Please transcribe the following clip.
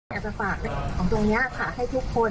อยากจะฝากของตรงนี้ค่ะให้ทุกคน